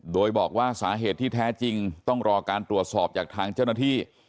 โดยบอกว่าสาเหตุที่แท้จริงต้องรอการตรวจสอบจากทางเจ้าหน้าที่